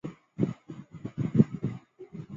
珞珈碘泡虫为碘泡科碘泡虫属的动物。